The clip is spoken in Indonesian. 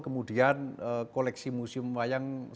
kemudian koleksi museum wayang